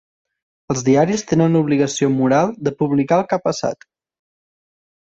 Els diaris tenen l'obligació moral de publicar el que ha passat.